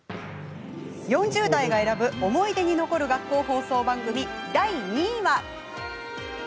４０代が選ぶ思い出に残る学校放送番組、第２位は。